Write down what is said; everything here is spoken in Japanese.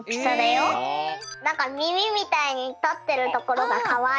なんかみみみたいにたってるところがかわいい。